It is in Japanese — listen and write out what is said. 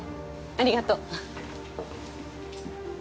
ありがとう。